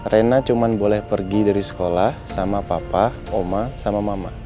rena cuma boleh pergi dari sekolah sama papa oma sama mama